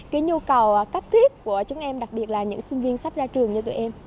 cái nhu cầu cấp thiết của chúng em đặc biệt là những sinh viên sách ra trường như tụi em